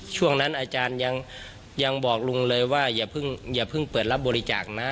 ช่วงนั้นอาจารย์ยังบอกลุงเลยว่าอย่าเพิ่งเปิดรับบริจาคนะ